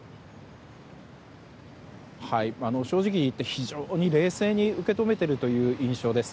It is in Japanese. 正直言って、非常に冷静に受け止めている印象です。